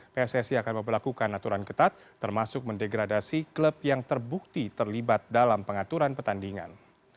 pssi akan memperlakukan aturan ketat termasuk mendegradasi klub yang terbukti terlibat dalam pengaturan pertandingan